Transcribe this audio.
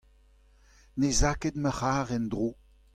Ne'z a ket ma c'harr en-dro.